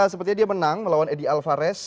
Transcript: sepertinya dia menang melawan eddie alvarez